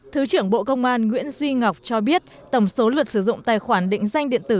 thứ trưởng bộ công an nguyễn duy ngọc cho biết tổng số luật sử dụng tài khoản định danh điện tử